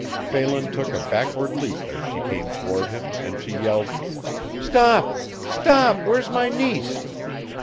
Phelan took a backward leap as she came toward him, and she yelled: "Stop! stop! Where's my niece?"